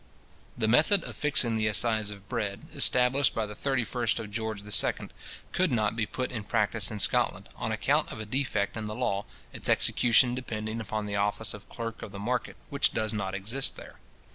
The method of fixing the assize of bread, established by the 31st of George II. could not be put in practice in Scotland, on account of a defect in the law, its execution depending upon the office of clerk of the market, which does not exist there.